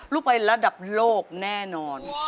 ไประดับโลกแน่นอน